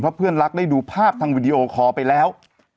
เพื่อนรักได้ดูภาพทางวิดีโอคอลไปแล้ว